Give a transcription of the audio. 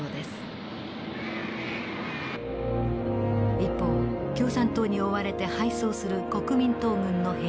一方共産党に追われて敗走する国民党軍の兵士。